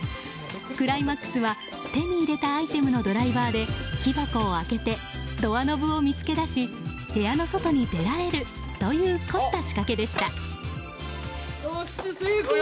クライマックスは手に入れたアイテムのドライバーで木箱を開けてドアノブを見つけ出し部屋の外に出られるという凝った仕掛けでした。